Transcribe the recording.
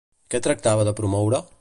Què tractava de promoure?